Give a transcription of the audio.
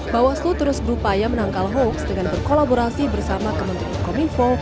bawaslu terus berupaya menangkal hoax dengan berkolaborasi bersama kementerian kominfo